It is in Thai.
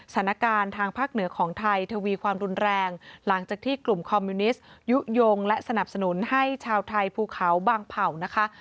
ทางภาคเหนือของไทยทวีความรุนแรงหลังจากที่กลุ่มคอมมิวนิสต์ยุโยงและสนับสนุนให้ชาวไทยภูเขาบางเผ่านะคะ